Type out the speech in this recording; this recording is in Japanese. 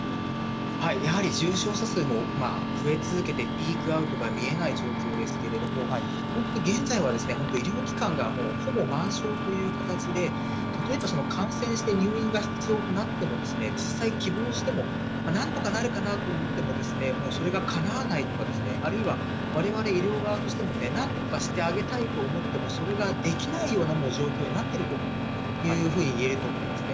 やはり重症者数も増え続けてピークアウトが見えない状況ですけれども、現在は本当、医療機関がほぼ満床という形で、例えば感染して、入院が必要となっても、実際希望してもなんとかなるかなと思っても、もうそれがかなわないとか、あるいはわれわれ医療側としてもなんとかしてあげたいと思っても、それができないような状況になっているというふうにいえると思うんですね。